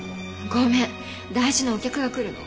ごめん大事なお客が来るの。